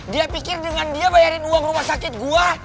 dia pikir dengan dia bayarin uang rumah sakit gue